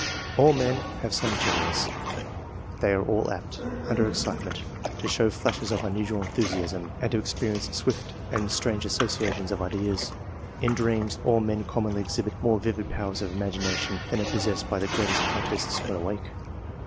All men have some genius ; they are aU apt, under excitement, to show flashes of unusual enthusiasm, and to ex 2^4 ENGLISH MEN OF SCIENCE. [ch. hi. perience swift and strange associations of ideas ; in dreamSy all men commonly exhibit more vivid powers of imagination than are possessed by the greatest artists when awake.